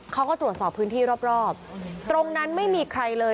เขาก็ตรวจสอบพื้นที่รอบตรงนั้นไม่มีใครเลย